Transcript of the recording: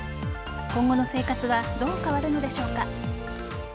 今後の生活はどう変わるのでしょうか。